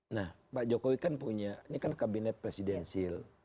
nah pak jokowi kan punya ini kan kabinet presidensil